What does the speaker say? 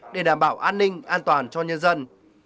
để đảm bảo an ninh an toàn cho nhân dân